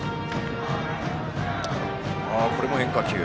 これも変化球。